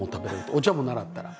お茶も習ったら。